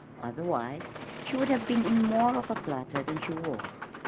Otherwise she would have been in more of a flutter than she was.